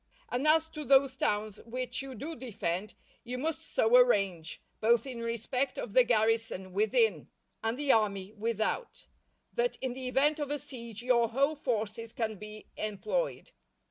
And as to those towns which you do defend, you must so arrange, both in respect of the garrison within and the army without, that in the event of a siege your whole forces can be employed.